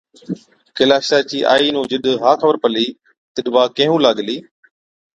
ڪيلاشا چِي آئِي نُون جِڏ هچ خبر پلِي، تِڏ وا ڪيهُون لاگلِي،